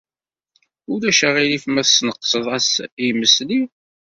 Ulac aɣilif ma tesneqsed-as imesli?